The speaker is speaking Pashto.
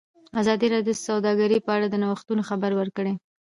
ازادي راډیو د سوداګري په اړه د نوښتونو خبر ورکړی.